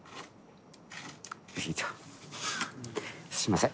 すみません。